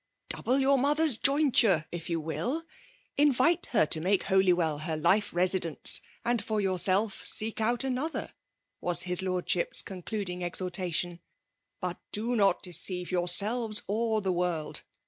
Double your mothers jointuxe, if you will ;— ^invite her to make Holywell her life FBMA.LE DOMIKATIOK. 267 deuce, and for yourself seek out another,^ x^Bs his lordship's concluding exhortation; " but do not deceive yourselves or the world.